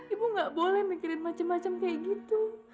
ibu gak boleh mikirin macam macam kayak gitu